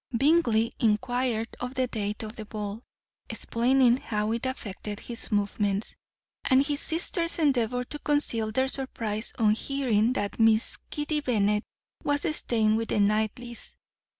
Bingley inquired of the date of the ball, explaining how it affected his movements; and his sisters endeavoured to conceal their surprise on hearing that Miss Kitty Bennet was staying with the Knightleys.